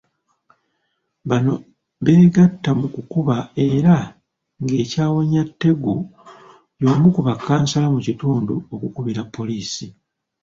Bano beegatta mu kukuba era ng'ekyawonya Tegu y'omu ku bakansala mu kitundu okukubira poliisi.